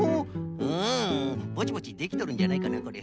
うんぼちぼちできとるんじゃないかなこれ。